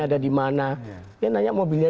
ada dimana dia nanya mobilnya